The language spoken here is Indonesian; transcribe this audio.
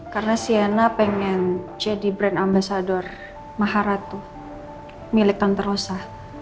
karena siana pengen jadi brand ambasador maharatu milik tante rosa